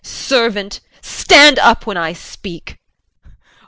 Servant! Stand up when I speak.